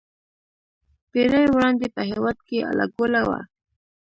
پېړۍ وړاندې په هېواد کې اله ګوله وه.